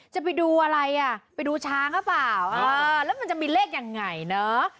จะไปดูอะไรอ่ะไปดูช้างหรือเปล่าเออแล้วมันจะมีเลขยังไงเนอะ